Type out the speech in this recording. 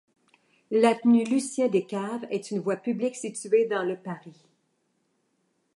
L'avenue Lucien-Descaves est une voie publique située dans le de Paris.